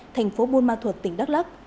thành phố buôn ma thuật tỉnh đắk lắc